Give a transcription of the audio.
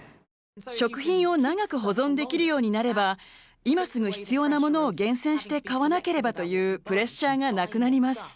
食品を長く保存できるようになれば今すぐ必要なものを厳選して買わなければというプレッシャーがなくなります。